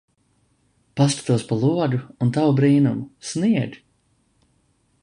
Paskatos pa logu un tavu brīnumu. Snieg!